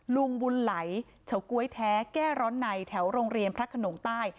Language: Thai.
ลุงบุญไหลเฉาก๊วยแท้แก้ร้อนในแถวโรงเรียนพระขนงใต้